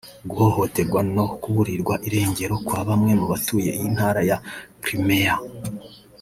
guhohoterwa ndetse no kuburirwa irengero kwa bamwe mu batuye iyi ntara ya Crimea